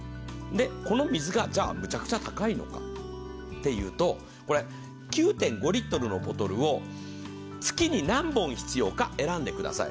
この水がむちゃくちゃ高いのかというと９．５リットルのボトルを月に何本必要か選んでください。